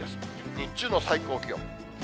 日中の最高気温。